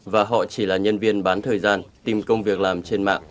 và họ chỉ là nhân viên bán thời gian tìm công việc làm trên mạng